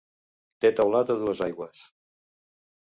Té teulat a dues aigües.